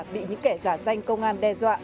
bị những kẻ giả danh công an đe dọa